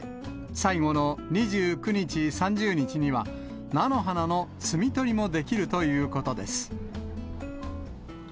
最後の２９日、３０日には、菜の花の摘み取りもできるということです。